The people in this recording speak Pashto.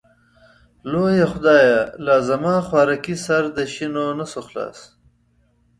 لويه خدايه لازما خوارکۍ سر د شينونسو خلاص.